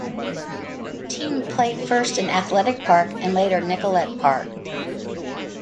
The team played first in Athletic Park and later Nicollet Park.